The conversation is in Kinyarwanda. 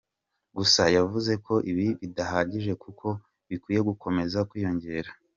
Gusa yavuze ko ibi bidahagije kuko bikwiye gukomeza kwiyongera.